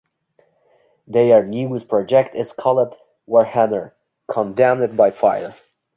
Their newest project is called "Warhammer - Condemned by Fire".